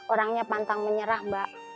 orangnya pantang menyerah mbak